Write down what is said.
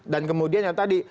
dan kemudian yang tadi